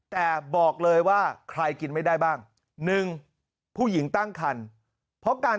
แต่บอกเลยว่าใครกินไม่ได้บ้างหนึ่งผู้หญิงตั้งคันเพราะการ